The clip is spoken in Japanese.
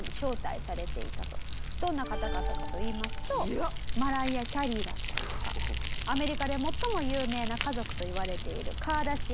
どんな方々かといいますとマライア・キャリーだったりとかアメリカで最も有名な家族と言われているカーダシアン家